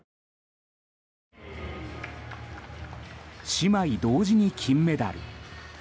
姉妹同時に金メダル。